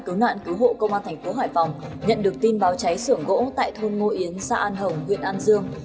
cứu nạn cứu hộ công an thành phố hải phòng nhận được tin báo cháy sưởng gỗ tại thôn ngô yến xã an hồng huyện an dương